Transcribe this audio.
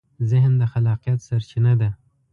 ذهن د خلاقیت سرچینه ده.